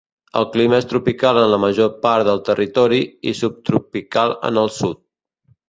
El clima és tropical en la major part del territori, i subtropical en el sud.